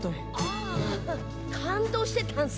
ああ感動してたんすか。